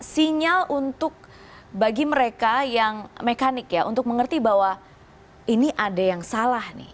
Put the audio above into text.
sinyal untuk bagi mereka yang mekanik ya untuk mengerti bahwa ini ada yang salah nih